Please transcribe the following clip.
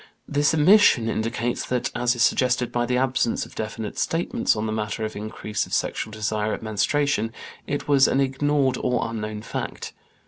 This omission indicates that, as is suggested by the absence of definite statements on the matter of increase of sexual desire at menstruation, it was an ignored or unknown fact.